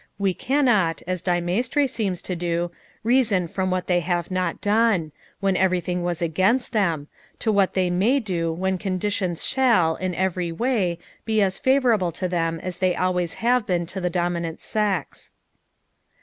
We cannot, as De Maistre seems to do, reason from what they have not done when everything was against them to what they may do when conditions shall, in every way, be as favorable to them as they always have been to the dominant sex.